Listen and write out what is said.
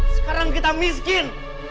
sekarang kita miskin